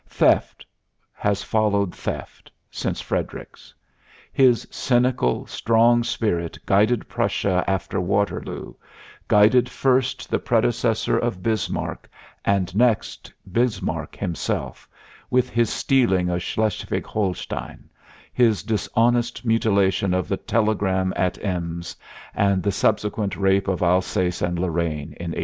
Theft has followed theft since Frederick's. His cynical, strong spirit guided Prussia after Waterloo, guided first the predecessor of Bismarck and next Bismarck himself, with his stealing of Schleswig Holstein, his dishonest mutilation of the telegram at Ems and the subsequent rape of Alsace and Lorraine in 1870.